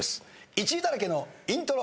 １位だらけのイントロ。